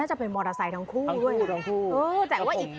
จะเป็นมอเตอร์ไซค์ทั้งคู่ด้วยทั้งคู่เออแต่ว่าอีก